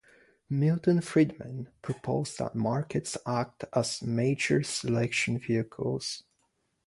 Milton Friedman proposed that markets act as major selection vehicles.